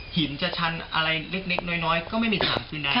หินจากชั้นอะไรเล็กน้อยก็ไม่มีสามสินใด